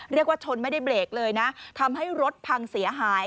เรียกว่าชนไม่ได้เบรกเลยนะทำให้รถพังเสียหาย